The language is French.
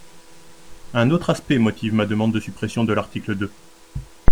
Un autre aspect motive ma demande de suppression de l’article deux.